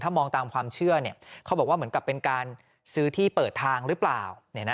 มองตามความเชื่อเขาบอกว่าเหมือนกับเป็นการซื้อที่เปิดทางหรือเปล่า